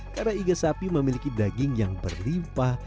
karena iget sapi memiliki daging yang berlimpah